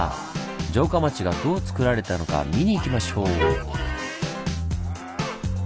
城下町がどうつくられたのか見に行きましょう！